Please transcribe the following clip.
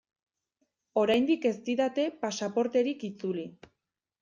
Oraindik ez didate pasaporterik itzuli.